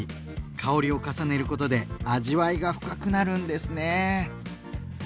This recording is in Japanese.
香りを重ねることで味わいが深くなるんですね。